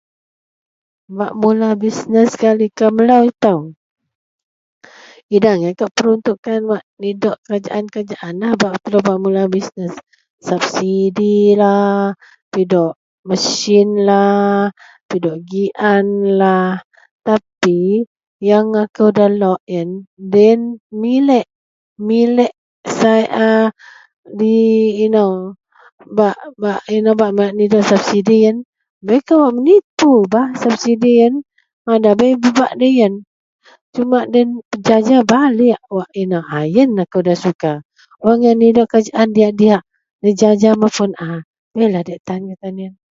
Bak mula bisnes gak likou melou itou. Idak angai kawak peruntukan wak nidok kerajaan kerajaan bak telou bak mula bisnes. Sabsidilah, pidok mesinlah, pidok gianlah tapi yang akou ndalok yen deyen miliek, miliek sai a di inou bak bak inou bak nidok sabsidi yen. Bei kawak menipu bah subsidi yen, mada bei pebak deyen sumak deyen pejaja baliek wak inou. A yen akou nda suka. Wak ngak nidok kerajaan diyak-diyak nejaja mapun a. Beilah diyak tan getan yen.